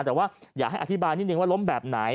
แต่ว่าอยากให้อธิบายนิดนึงว่าล้มแบบไหน